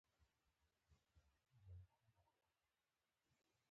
تر طلایي ګنبدې لاندې لږ وګرځېدم.